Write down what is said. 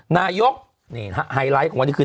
นายกนี่ฮะไฮไลท์ของวันนี้คือ